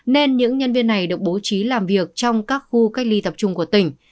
nên những nhân viên này được bố trí làm việc trong các khu cách ly tập trung của tỉnh